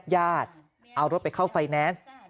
ญาติเอารถไปเข้าไฟแนนซ์